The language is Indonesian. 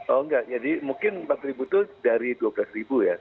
oh enggak jadi mungkin empat itu dari dua belas ya saya kira